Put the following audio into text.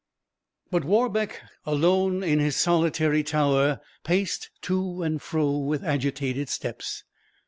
But Warbeck, alone in his solitary tower, paced to and fro with agitated steps.